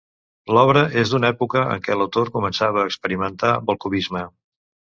L'obra és d'una època en què l'autor començava a experimentar amb el cubisme.